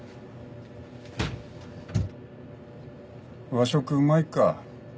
和食うまいか？